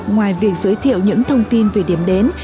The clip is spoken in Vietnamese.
ngoài việc giới thiệu những thông tin về điểm đến